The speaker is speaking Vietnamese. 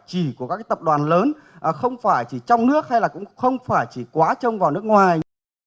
chỉ của các tập đoàn lớn không phải chỉ trong nước hay là cũng không phải chỉ quá trong vòng nước ngoài